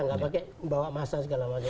tidak pakai membawa massa segala macam